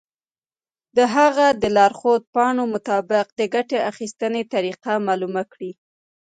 د هغه د لارښود پاڼو مطابق د ګټې اخیستنې طریقه معلومه کړئ.